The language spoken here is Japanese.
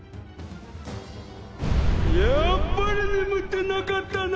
やっぱりねむってなかったな！